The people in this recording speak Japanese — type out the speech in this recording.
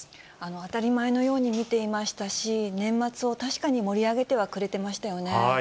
当たり前のように見ていましたし、年末を確かに盛り上げてはくれてましたよね。